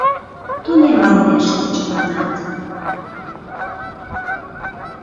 Тунемалнешт чыланат.